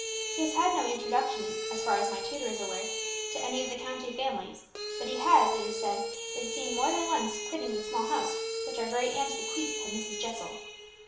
He has had no introduction, as far as my tutor is aware, to any of the county families; but he has, it is said, been seen more than once quitting the small house which our great aunt bequeathed to Mrs. Jessel."